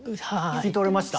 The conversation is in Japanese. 聞き取れました？